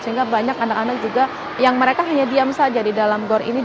sehingga banyak anak anak juga yang mereka hanya diam saja di dalam gor ini